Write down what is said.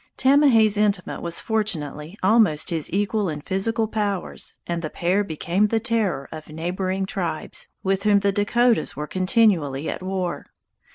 Tamahay's intimate was fortunately almost his equal in physical powers, and the pair became the terror of neighboring tribes, with whom the Dakotas were continually at war.